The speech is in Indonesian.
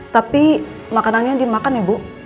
tapi makanannya dimakan ibu